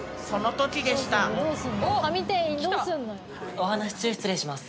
お話し中失礼します。